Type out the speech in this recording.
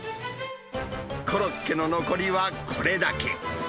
コロッケの残りは、これだけ。